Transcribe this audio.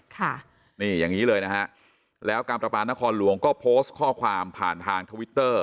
ค่ะนี่อย่างนี้เลยนะฮะแล้วการประปานครหลวงก็โพสต์ข้อความผ่านทางทวิตเตอร์